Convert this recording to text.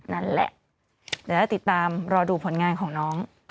นั่นแหละเดี๋ยวถ้าติดตามรอดูผลงานของน้อง